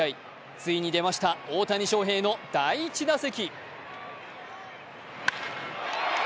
ついに出ました、大谷翔平の第１打席。